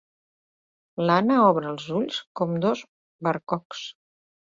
L'Anna obre els ulls com dos bercocs.